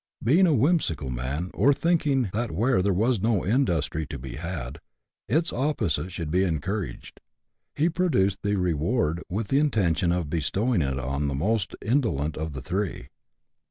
Being a whimsical man, or thinking that where there was no industry tb be had its opposite should be encouraged, he produced the reward with the intention of be stowing it on the most indolent of the three.